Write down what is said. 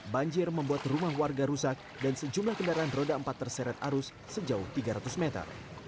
banjir membuat rumah warga rusak dan sejumlah kendaraan roda empat terseret arus sejauh tiga ratus meter